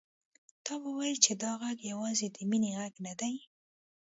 تا به ويل چې دا غږ يوازې د مينې غږ نه دی.